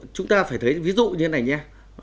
chúng ta phải thấy ví dụ như thế này nha